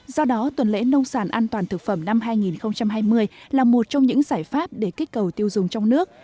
do đó tuần lễ nông sản an toàn thực phẩm năm hai nghìn hai mươi là một trong những giải pháp để kích cầu tiêu dùng trong nước